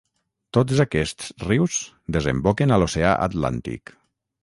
Tots aquests rius desemboquen a l'oceà Atlàntic.